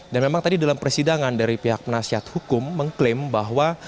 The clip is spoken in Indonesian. dan memang tadi dalam persidangan dari pihak penasihat hukum mengklaim bahwa